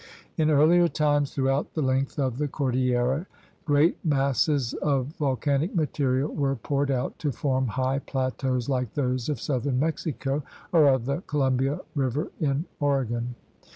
In earlier times, throughout the length of the cordillera great masses of volcanic material were poured out to form high plateaus like those of southern Mexico or of the Columbia River in Ore gon.